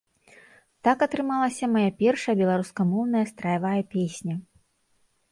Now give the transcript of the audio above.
Так атрымалася мая першая беларускамоўная страявая песня.